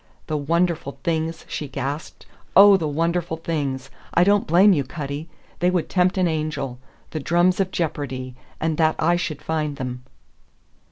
"The wonderful things!" she gasped. "Oh, the wonderful things! I don't blame you, Cutty. They would tempt an angel. The drums of jeopardy; and that I should find them!"